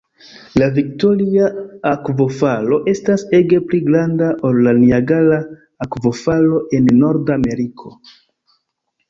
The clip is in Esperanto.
La Viktoria-akvofalo estas ege pli granda ol la Niagara Akvofalo en Norda Ameriko.